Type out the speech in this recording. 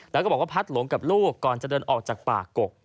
แล้วก็บอกว่าพัดหลงกับลูกก่อนจะเดินออกจากป่ากก